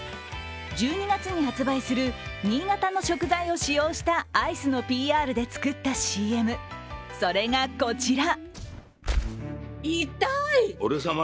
１２月に発売する新潟の食材を使用したアイスのＰＲで作ったＣＭ、それがこちら。